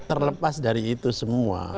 terlepas dari itu semua